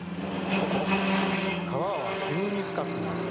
ここ「川は急に深くなる」。